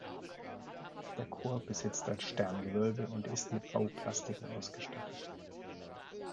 Der Chor besitzt ein Sterngewölbe und ist mit Bauplastiken ausgestattet.